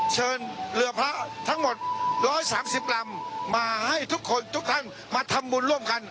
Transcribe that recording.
เชิญเรือพระทั้งหมด๑๓๐ลำมาให้ทุกคนทุกท่านมาทำบุญร่วมกัน